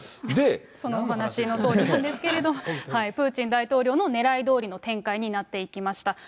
その話のとおりなんですけれども、プーチン大統領のねらいどおりの展開になっていきました。